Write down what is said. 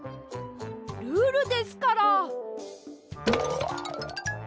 ルールですから！